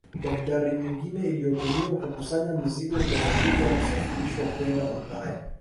Babdari nyingine iliyotumiwa kukusanya mizigo kwa ajili ya kusafirishwa kwenda Ulaya